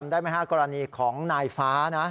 ได้ไหมฮะกรณีของนายฟ้านะ